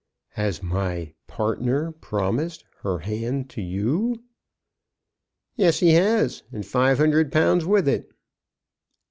"Has my partner promised her hand to you?" "Yes, he has; and five hundred pounds with it."